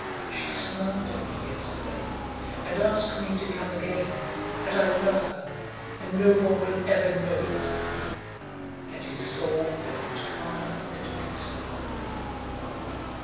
She smiled at me yesterday and asked me to come again, and I love her, and no one will ever know it." And his soul felt calm and peaceful.